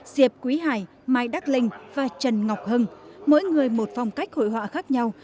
diệp quý hải mai đắc linh và trần ngọc hưng mỗi người một phong cách hội họa khác nhau